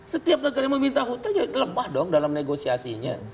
setiap negara meminta hutang lemah dong dalam negosiasinya